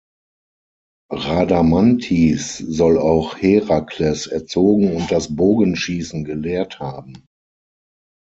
Rhadamanthys soll auch Herakles erzogen und das Bogenschießen gelehrt haben.